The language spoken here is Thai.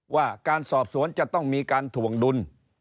ว่าการสอบสวนจะต้องมีการถวงดุล